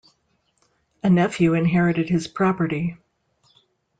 A nephew inherited his property.